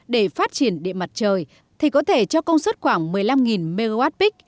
để phát triển điện mặt trời thì có thể cho công suất khoảng một mươi năm mwp